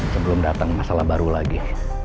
sebelum datang masalah baru lagi